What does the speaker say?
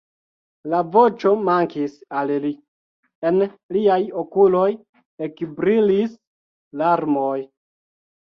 La voĉo mankis al li, en liaj okuloj ekbrilis larmoj.